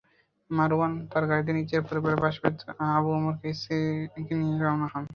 মারওয়ান তাঁর গাড়িতে নিজের পরিবারের পাশাপাশি আবু ওমরের স্ত্রীকে নিয়ে রওনা হন।